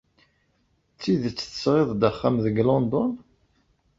D tidet tesɣiḍ-d axxam deg London?